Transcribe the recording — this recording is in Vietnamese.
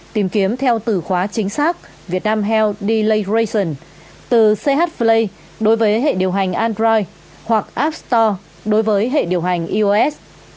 tìm kiếm theo từ khóa chính xác vietnam health delay ration từ ch play đối với hệ điều hành android hoặc app store đối với hệ điều hành ios